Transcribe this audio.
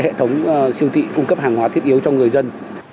đặc biệt là tạo điều kiện cho siêu thị cung cấp hàng hóa thiết yếu cho người dân